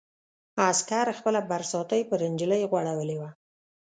عسکر خپله برساتۍ پر نجلۍ غوړولې وه.